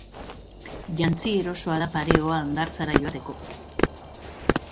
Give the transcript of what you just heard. Jantzi erosoa da pareoa hondartzara joateko.